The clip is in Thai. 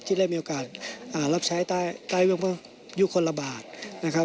ที่ได้มีโอกาสรับใช้ใต้ยุคคนละบาทนะครับ